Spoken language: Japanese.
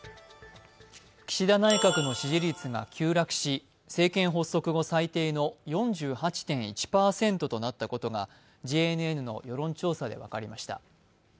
岸田内閣の支持率が急落し、政権発足後最低の４８．１％となったことがＪＮＮの世論調査で分かりました。